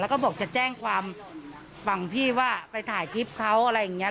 แล้วก็บอกจะแจ้งความฝั่งพี่ว่าไปถ่ายคลิปเขาอะไรอย่างนี้